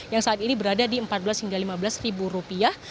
yang saat ini berada di rp empat belas lima belas